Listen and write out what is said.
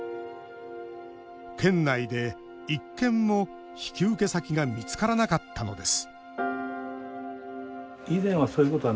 県内で１軒も引き受け先が見つからなかったのです